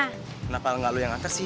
kenapa gak lo yang atas sih